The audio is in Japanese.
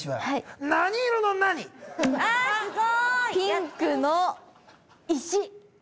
ピンクの石！